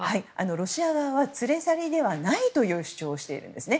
ロシア側は連れ去りではないという主張をしているんですね。